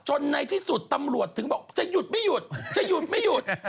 ในที่สุดตำรวจถึงบอกจะหยุดไม่หยุดจะหยุดไม่หยุด